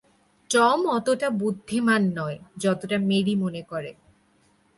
Tom অতটা বুদ্ধিমান নয় যতটা মেরি মনে করে।